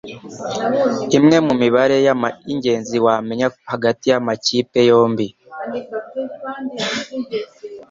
Imwe mu mibare y'ingenzi wamenya hagati y'amakipe yombi